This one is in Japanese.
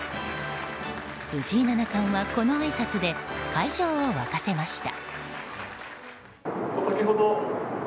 藤井七冠はこのあいさつで会場を沸かせました。